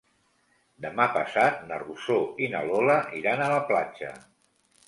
Demà passat na Rosó i na Lola iran a la platja.